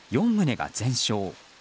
４棟が全焼。